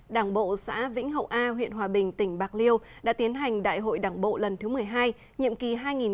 đảng bộ xã vĩnh hậu a huyện hòa bình tỉnh bạc liêu đã tiến hành đại hội đảng bộ lần thứ một mươi hai nhiệm kỳ hai nghìn hai mươi hai nghìn hai mươi năm